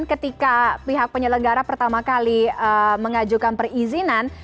ketika pihak penyelenggara pertama kali mengajukan perizinan